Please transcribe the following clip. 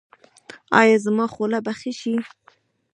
ایا زما خوله به ښه شي؟